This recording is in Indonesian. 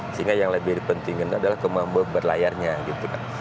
sehingga yang lebih penting itu adalah kemampuan berlayarnya gitu kan